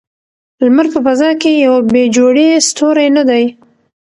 لمر په فضا کې یو بې جوړې ستوری نه دی.